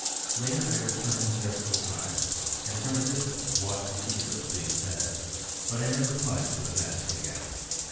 Later I returned several times, and from a distance watched the eaglets being fed. But I never climbed to the nest again.